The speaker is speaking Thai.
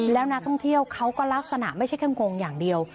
แล้วนักท่องเที่ยวเขาก็ลักษณะไม่ใช่แค่งงอย่างเดียว